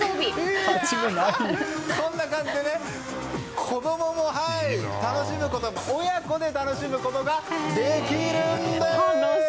こんな感じで子供も親子で楽しむことができるんです。